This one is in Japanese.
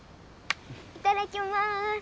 いただきます。